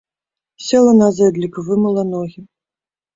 Села на зэдлік і вымыла ногі.